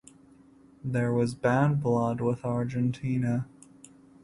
There was bad blood with Argentina.